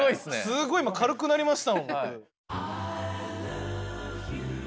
すごい今軽くなりましたもん。